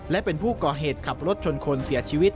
และเป็นผู้ก่อเหตุขับรถชนคนเสียชีวิต